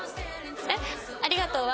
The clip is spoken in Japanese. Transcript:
えっ「ありがとう」は？